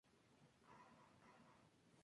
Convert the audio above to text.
Pronto dirigió largometrajes.